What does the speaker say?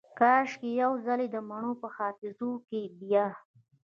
کاشکي یو ځلې دمڼو په حافظو کې بیا